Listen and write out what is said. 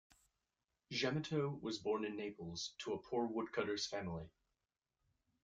Gemito was born in Naples to a poor woodcutter's family.